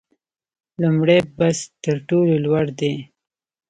لومړی بست تر ټولو لوړ دی